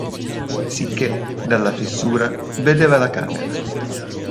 Sicché, dalla fessura, vedeva la camera.